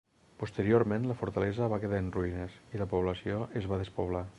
Posteriorment la fortalesa va quedar en ruïnes i la població es va despoblar.